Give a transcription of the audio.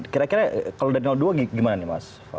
kira kira kalau dari dua gimana nih mas